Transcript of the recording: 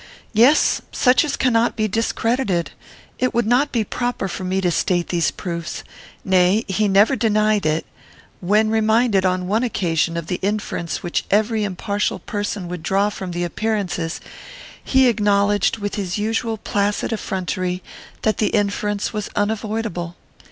"Yes. Such as cannot be discredited. It would not be proper for me to state these proofs. Nay, he never denied it. When reminded, on one occasion, of the inference which every impartial person would draw from appearances, he acknowledged, with his usual placid effrontery, that the inference was unavoidable.